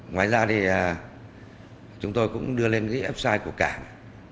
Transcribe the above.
ngoài ra chúng tôi cũng đưa lên website của cảng